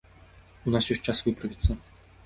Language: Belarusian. У нас ёсць час выправіцца.